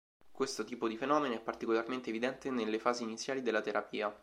Questo tipo di fenomeni è particolarmente evidente nelle fasi iniziali della terapia.